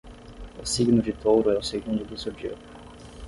O signo de touro é o segundo do zodíaco